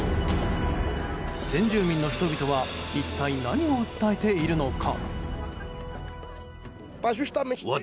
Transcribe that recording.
先住民の人々は一体何を訴えているのか？